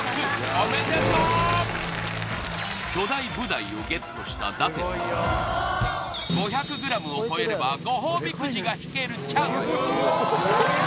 おめでとう巨大ブダイをＧＥＴした舘様５００ｇを超えればご褒美くじが引けるチャンス